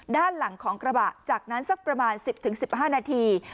ด้านหลังของกระบะจากนั้นสักประมาณ๑๐๑๕นาที